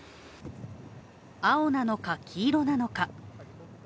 青なのか黄色なのか。